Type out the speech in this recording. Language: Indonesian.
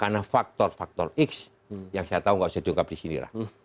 karena faktor faktor x yang saya tahu tidak usah diungkap di sini